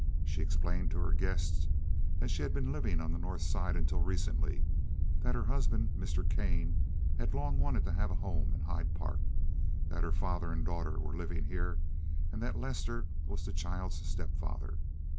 She explained to her guests that she had been living on the North Side until recently, that her husband, Mr. Kane, had long wanted to have a home in Hyde Park, that her father and daughter were living here, and that Lester was the child's stepfather.